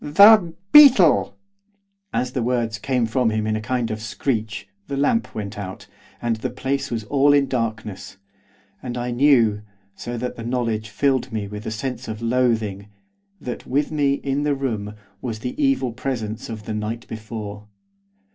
'THE BEETLE!' As the words came from him in a kind of screech, the lamp went out, and the place was all in darkness, and I knew, so that the knowledge filled me with a sense of loathing, that with me, in the room, was the evil presence of the night before.